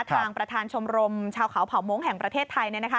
ทางประธานชมรมชาวเขาเผ่าม้งแห่งประเทศไทย